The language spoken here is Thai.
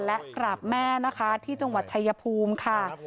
และกราบแม่ที่จังหวัดชายพูมค่ะ